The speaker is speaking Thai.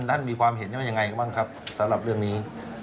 ท่านมีความเห็นว่ายังไงบ้างครับสำหรับเรื่องนี้